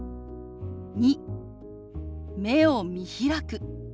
２目を見開く。